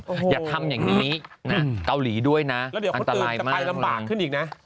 โอ้โหอย่าทำอย่างนี้น่ะเกาหลีด้วยน่ะแล้วเดี๋ยวคนตื่นจะไปลำบากขึ้นอีกน่ะ